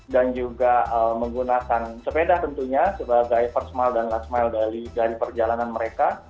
dan juga menggunakan sepeda tentunya sebagai first mile dan last mile dari perjalanan mereka